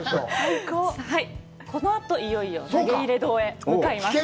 このあといよいよ投入堂に向かいます。